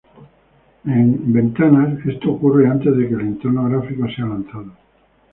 En Windows, esto ocurre antes de que el entorno gráfico sea lanzado.